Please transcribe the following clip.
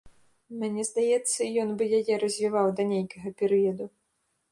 Мне здаецца, ён бы яе развіваў да нейкага перыяду.